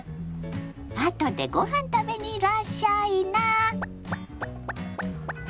あとでごはん食べにいらっしゃいな。